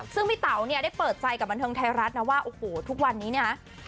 ซึ่งพี่เต๋าเนี่ยได้เปิดใจกับบันเทิงไทยรัฐนะว่าโอ้โหทุกวันนี้เนี่ยนะ